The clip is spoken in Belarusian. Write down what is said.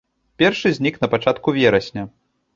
Першы знік на пачатку верасня.